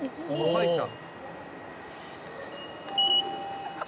入った。